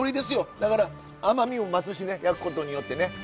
だから甘みも増すしね焼くことによってね。